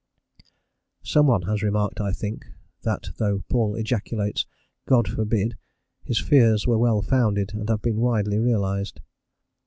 Some one has remarked, I think, that though Paul ejaculates, "God forbid," his fears were well founded and have been widely realised.